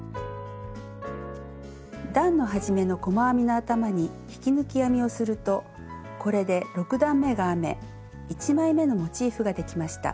段の始めの細編みの頭に引き抜き編みをするとこれで６段めが編め１枚めのモチーフができました。